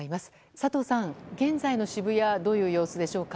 佐藤さん、現在の渋谷どういう様子でしょうか。